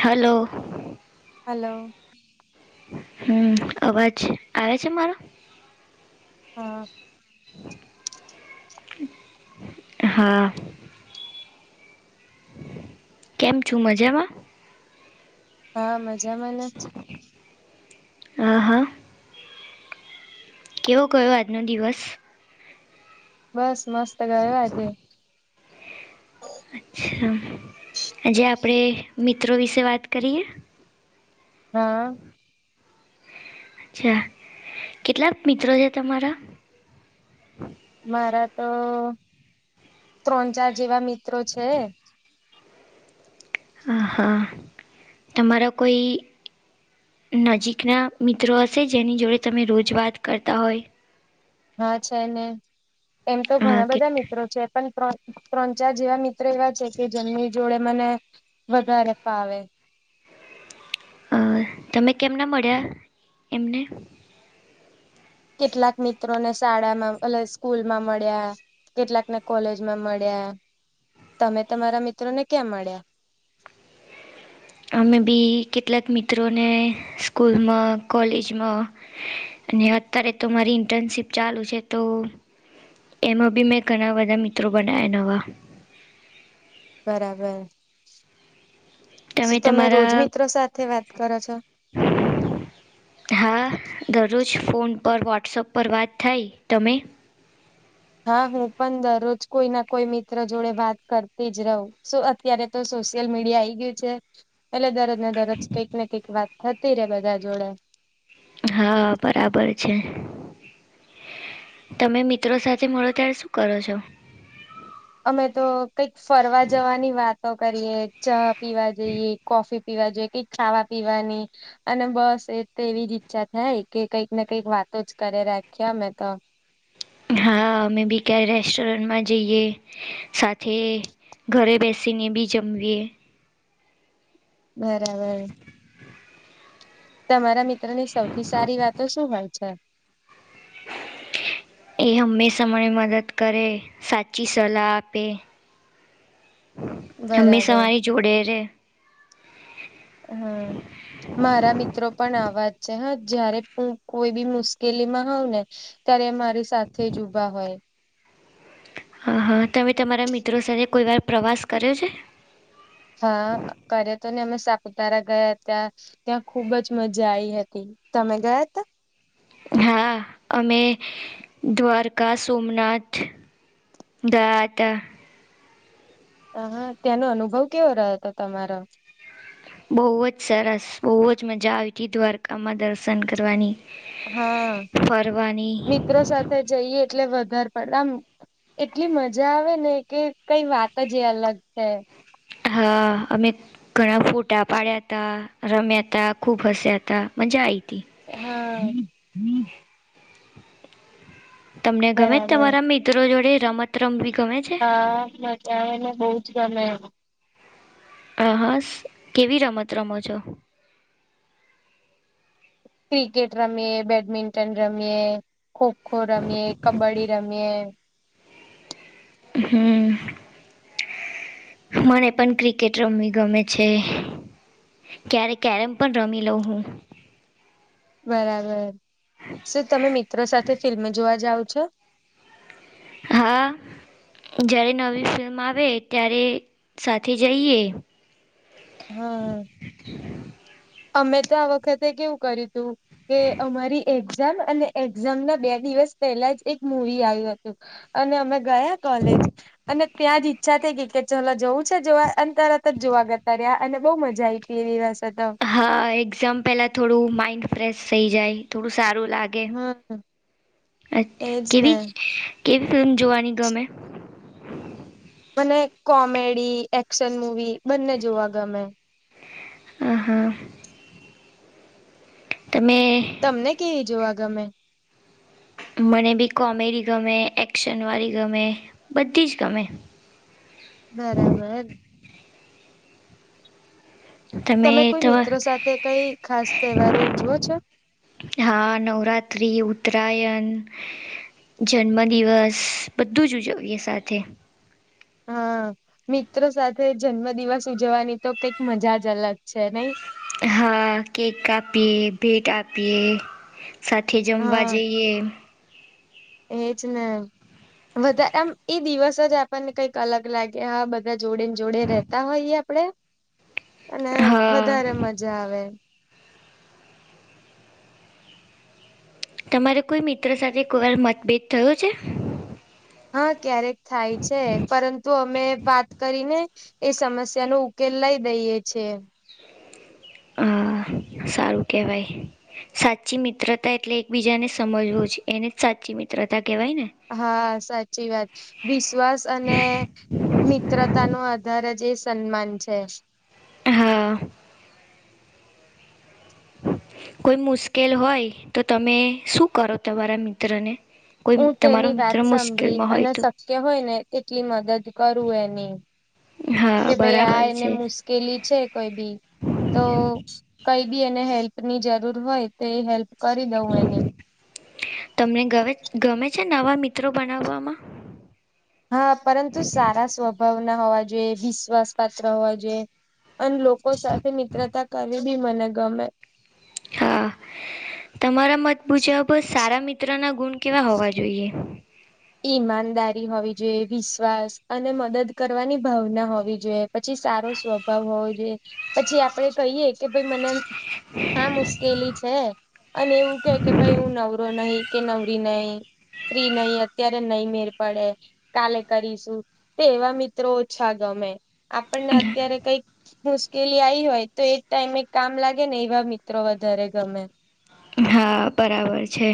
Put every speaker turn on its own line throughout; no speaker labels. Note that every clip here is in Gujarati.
હલો
હલો
હમ અવાજ આવે છે મારો
હા
હા કેમ છું મજામાં
હા મજા માને
હા હા કેવો ગયો આજનો દિવસ
બસ મસ્ત ગયો આજે
અચ્છા આજે આપણે મિત્રો વિશે વાત કરીએ
હા.
અચ્છા કેટલાક મિત્રો છે તમારા.
મારા તો ત્રણ ચાર જેવા મિત્રો છે
અહા તમારા કોઈ નજીકના મિત્રો હશે જેની જોડે તમે રોજ વાત કરતા હોય
હા છે ને એમ તો
હા
ઘણા
કે
બધા મિત્રો છે પણ ત્રણ ચાર જેવા મિત્ર એવા છે કે જેમની જોડે મને વધારે ફાવે
તમે કેમના મળ્યા એમને
કેટલાક મિત્રો ને શાળામાં એટલે સ્કૂલ માં મળ્યા કેટલાકને કોલેજ માં મળ્યા તમે તમારા મિત્રો ને ક્યાં મળ્યા
અમે બી કેટલાક મિત્રોને સ્કૂલમાં કોલેજમાં અને અત્યારે તો મારી ઇન્ટર્નશીપ ચાલુ છે તો એમાં બી મેં ઘણા વધા મિત્રો બનાયા નવા
બરાબર શું તમે રોજ મિત્રો સાથે વાત કરો છો
હ હા દરરોજ ફોન પર વોટ્સઅપ પર વાત થાય તમે
હા હું પણ દરરોજ કોઈ ના કોઈ મિત્ર જોડે વાત કરતી જ રહું અત્યારે તો સોશિયલ મીડિયા આઈ ગયું છે એલે ને દરજ કંઈક ને કંઈક વાત થતી રે બધા જોડે
હા બરાબર છે. તમે મિત્રો સાથે મળો ત્યારે શું કરો છો.
અમે તો કંઈક ફરવા જવાની વાતો કરીએે ચા પીવા જઈએ કોફી પીવા જોઈએ કઈક ખાવા પીવાની અને બસ એ તો એવી જ ઈચ્છા થાય કે કંઈક ને કંઈક વાતો જ કરે રાખી અમે તો
હા અમે બી ક્યાય રેસ્ટોરન્ટમાં જઈએ સાથે ઘરે બેસીને બી જમવીએ
બરાબર તમારા મિત્રો ની સૌથી સારી વાતો શું હોય છે.
[inaudible] એ હંમેશા મને મદદ કરે સાચી સલાહ આપે. હંમેશા
બરાબર
મારી જોડે રે.
હા. મારા મિત્રો પણ આવાજ છે હા જયારે હું કોઈ બી મુશ્કેલી માં હઉ ને ત્યારે મારી સાથે જ ઉભા હોય.
હ હા તમે તમારા મિત્રો સાથે કોઈ વાર પ્રવાસ કર્યો છે.
હા કરે તો ને અમે સાપુતારા ગયા હતા. ત્યાં ખુબ જ મજા આઈ હતી તમે ગયા ત.
હા અમે દ્વારકા સોમનાથ ગયા તા.
હ હા ત્યાંનો અનુભવ કેવો રહેતો હતો તમારો.
બહુ જ સરસ બહુ જ મજા આવી હતી દ્વારકામાં દર્શન કરવાની.
હા
ફરવાની
મિત્રો સાથે જઈએ એટલે વધારે [unintelligible] એટલી મજા આવે ને કે કઈ વાત જ એ અલગ છે.
હા અમે ઘણા ફોટા પાડ્યા હતા રમ્યા તા ખૂબ હસ્યા હતા મજા આવી હતી.
હા.
તમને ગમે
બરાબર
તમારા મિત્રો જોડે રમત રમવી ગમે છે.
હા મજ આવેને બહું જ ગમે.
આ હસ કેવી રમત રમો છો.
ક્રિકેટ રમીએ બેડમિન્ટન રમીએ ખોખો રમીએ કબડ્ડી રમીએ
હમ્મ. મને પણ ક્રિકેટ રમવી ગમે છે. ક્યારે ક્યારે પણ રમી લો હું.
બરાબર શું તમે મિત્રો સાથે ફિલ્મ જોવા જાવો છો.
હા. જ્યારે નવી ફિલ્મ આવે ત્યારે સાથે જઈએ.
હા. અમે તો આ વખતે કેવું કર્યું તું કે અમારી એક્ઝામ અને એક્ઝામ ના બે દિવસ પહેલા જ એક મૂવી આવ્યો હતું. તું અને અમે ગયા કોલેજ અને ત્યાં જ ઈચ્છા થઈ ગઈ કે ચલો જવું છે જોવા અ તરત જ જોવા ગતા રહ્યા અને બહુ મજા આ આવી તે દિવસે તો.
હા એક્ઝામ પહેલા થોડું માઈન્ડ ફ્રેશ થઈ જાય થોડું સારું લાગ ગે
હમ એજ ને
કેવી કેવી ફિલ્મ જોવાની ગમે.
મને કોમેડી એક્શન મુવી બંને જોવા ગમે.
અ હા. તમે
તમને કેવી જોવા ગમે.
મને બી કોમેડી ગમે એક્શનવાળી ગમે બધી જ ગમે.
બરાબર. તમે કોઈ મિત્ર સાથે કઈ ખાસ તહેવારો ઉજવો છો.
હા નવરાત્રી ઉત્તરાયણ જન્મ દિવસ બધું જ ઉજવીએ સાથે.
હા મિત્રો સાથે જન્મ દિવસ ઉજવવાની તો કઈક મજા જ અલગ છે નઈ.
હા કેક કાપીએ ભેટ આપીએ. સાથે જમવા
હા
જઈએ.
એજ ને. વધારે આમ એ દિવસ જ આપણને કઈક અલગ લાગે હા બધા જોડે ને જોડે રહે. તા હોય આપડે
[inaudible]
અને
હા
વધારે મજા આવે.
તમારે કોઈ મિત્ર સાથે કોઈ વાર મતભેદ થયો છે.
હા ક્યારેક થાય છે પરંતુ અમે વાત કરીને એ સમસ્યા નો ઉકેલ લઈ દઈે છે.
અ સારું કહેવાય સાચી મિત્રતા એટલે એકબીજાને સમજવો છે એને જ સાચી મિત્રતા કહેવાય ને
હા સાચી વાત વિશ્વાસ અને મિત્રતા નો આધાર જ એ સન્માન છે.
હા કોઈ મુશ્કેલ હોય તો તમે શું કરો તમારા મિત્રને કોઈ
હું
તમારો
તેની
મિત્ર
વાત સાંભળી
મુશ્કેલમાં હોય
અને
તો
શક્ય હોય ને તેટલી મદદ કરું એની
હા બરાબર છે.
પેલી છે કોઈ બી તો કઈ બી એને હેલ્પ ની જરૂર હોય તો એ હેલ્પ કરી દઉં એને.
તમને ગમે ગમે છે નવા મિત્રો બનાવવામાં
હા પરંતુ સારા સ્વભાવના હોવા જોઈએ વિશ્વાસ પાત્ર હોવા જોઈએ અને લોકો સાથે મિત્રતા કરવી બી મને ગમે.
હા તમારા મત મુજબ સારા મિત્ર ના ગુણ કેવા હોવા જોઈએ
ઈમાનદારી હોવી જોઈએ વિશ્વાસ અને મદદ કરવાની ભાવના હોવી જોઈએ પછી સારો સ્વભાવ હોવો જોઈએ પછી આપડે કહીયએ કે ભાઈ મને હા મુશ્કેલી છે અને એવું કે કે ભાઈ હું નવરો નહી કે નવરી નહી ફ્રી નહી અત્યારે નહી મેર પડે કાલે કરીશું તો એવા મિત્રો ઓછા ગમે. આપણને અત્યારે કઈક મુશ્કેલી આવીઈ હોય તો એ ટાઈમે એક કામ લાગે ને એવા મિત્રો વધારે ગમે.
હા બરાબર છે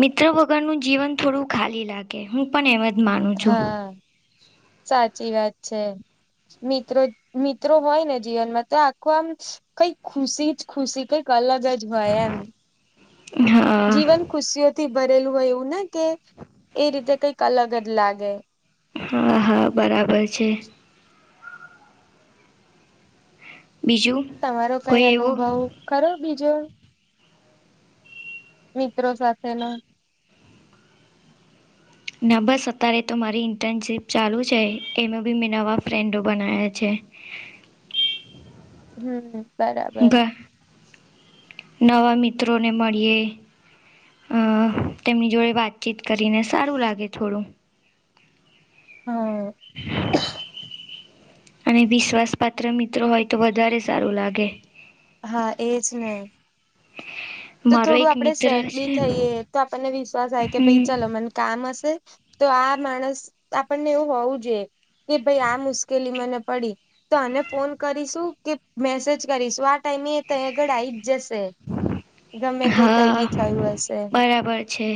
મિત્રો વગરનું જીવન થોડું ખાલી લાગતું હું પણ એમ જ માનું છું.
હા સાચી વાત છે મિત્રો મિત્રો હોય ને જીવનમાં તો આખું આમ કઈક ખુશી જ ખુશી કઈક અલગ જ હોય એમ.
હા
જીવન ખુશીઓથી ભરેલું હોય એવું ને કે એ રીતે કઈક અલગ જ લાગે
હા હા બરાબર છે. બીજું
તમારો કઈ
કોઈ એવું
અનુભવ કરરો બીજો મિત્રો સાથે ના
ના બસ અત્યારે તો મારી ઇન્ટર્નશીપ ચાલુ છે એમાં બી મેં નવા ફ્રેન્ડો બનાવ્યા છે.
હમ બરાબર
નવા મિત્રોને મળીએ અ તેમની જોડે વાતચીત કરીને સારું લાગે થોડું.
હ
હ [unintelligible] અને વિશ્વાસ પાત્ર મિત્રો હોય તો વધારે સારું લાગે.
હા એ જ ને તો
મારો
થોડું
એક
આપડે
મિત્ર
સેટ બી
છે
થઈએ તો આપણને વિશ્વાસ આવે કે ભાઈ
હમ
ચાલ મને કામ હશે તો આ માણસ આપણને એવું હોવું જોઈએ. કે ભાઈ આ મુશ્કેલી મને પડી. તો આને ફોન કરીશું કે મેસેજ કરીશું આ ટાઈમે એ ત્યાં આગળ આવી જ જશે. ગમે તે કઈ
હા
બી થયું હશે
બરાબર છે.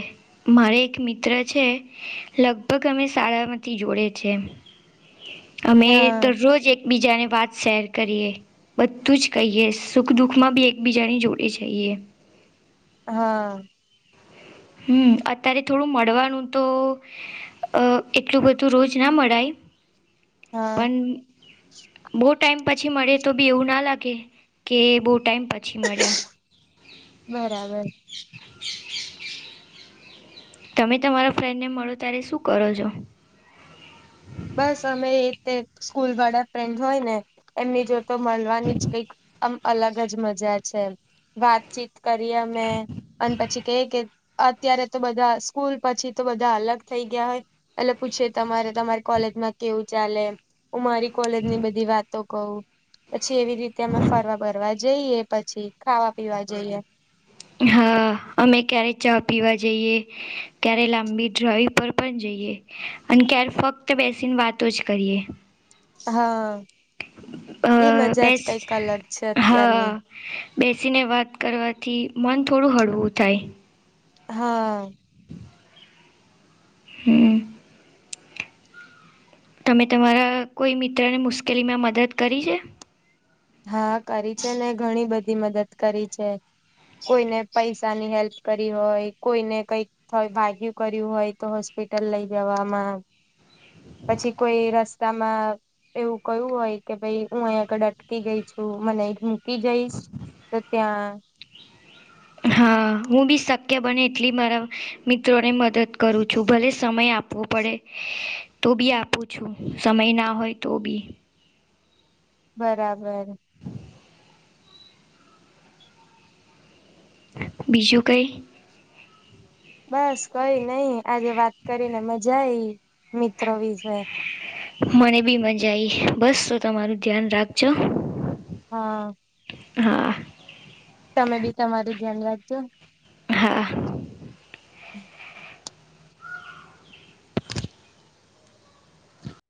મારે એક મિત્ર છે લગભગ અમે શાળામાંથી જોડે છે. અમે
હા
દરરોજ એક એકબીજાને વાત શેર કરીએ બધું જ કહીએ સુખ દુઃખમાં બી એકબીજાની જોડ જ હોઈએ.
હા
હમ અત્યારે થોડું મળવાનું તો અ એટલું બધું રોજ ના મળાય
હા
પણ બવ ટાઈમ પછી મળે તો બી એવું ના લાગે કે બવ ટાઈમ પછી મળ્યા.
બરાબર.
તમે તમારા ફ્રેન્ડને મળો ત્યારે શું કરો છો?
બસ અમે એ તે સ્કૂલ વાળા ફ્રેન્ડ હોય ને એમની જોડે તો મળવાની જ કઈક આમ અલગ જ મજા છે. વાતચીત કરીએ અમે અને પછી કેય કે અત્યારે તો બધા સ્કૂલ પછી તો બધા અલગ થઈ ગયા હોય. એટલે પૂછે પછી તમારે તમારી કોલેજમાં કેવું ચાલે હું મારી કોલેજ ની બધી વાતો કવ પછી એવી રીતે અમે ફરવા બરવા જઈએ પછી ખાવા પીવા જઈએ.
હા અમે ક્યારેક ચા પીવા જઈએ ક્યારેય લાંબી ડ્રાઈવ પર પણ જઈએ. અને ત્યારે ફક્ત બેસીને વાતો જ કરીએ.
હા
અ
ઈ મજા જ
બેસ
કઈક અલગ છે અત્યારની
હા બેસીને વાત કરવાથી મન થોડું હળવું થાય.
હા.
હમ તમે તમારા કોઈ મિત્રને મુશ્કેલીમાં મદદ કરી છે?
હા કરી છે ને ઘણી બધી મદદ કરી છે. કોઈને પૈસાની હેલ્પ કરી હોય કોઈને કઈક થય વાગ્યું કર્યું હોય તો હોસ્પિટલ લઈ જવામાં પછી કોઈ રસ તમાં [unintelligible] એવું કયું હોય કે ભાઈ હું અહીંયા આગળ અટકી ગઈ છું મને મૂકી જઈશ? તો ત્યાં
હા હું બી શક્ય બને એટલી મારા મિત્રોને મદદ કરું છું ભલે સમય આપવો પડે. તો બી આપું છું સમય ના હોય તો બી
બરાબર
બીજું કંઈ?
બસ કઈ નઈ આજે વાત કરીને મજા આઈ મિત્રો વિશે.
મને બી મજા આવી બસ તો તમારું ધ્યાન રાખજો.
હા
હા
તમે બી તમારું ધ્યાન રાખજો.
હા